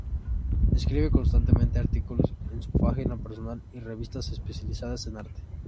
Escribe constantemente artículos en su página personal y revistas especializadas en arte.